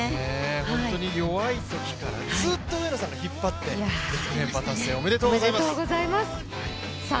本当に弱いときからずっと上野さんが引っ張って６連覇達成、おめでとうございます。